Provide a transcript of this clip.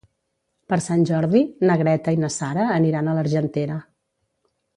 Per Sant Jordi na Greta i na Sara aniran a l'Argentera.